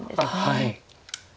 はい。